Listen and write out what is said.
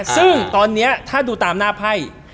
ซึ่งตอนนี้ถ้าดูตามหน้าไพ่